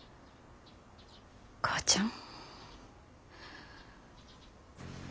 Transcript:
母ちゃん。